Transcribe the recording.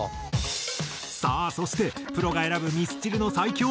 さあそしてプロが選ぶミスチルの最強